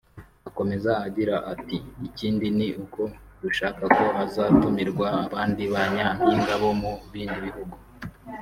Akomeza agira ati “Ikindi ni uko dushaka ko hazatumirwa abandi ba Nyampinga bo mu bindi bihugu